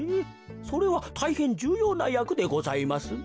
それはたいへんじゅうようなやくでございますね。